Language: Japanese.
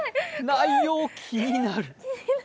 内容、気になる。